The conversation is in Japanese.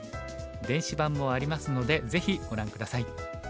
電子版もありますのでぜひご覧下さい。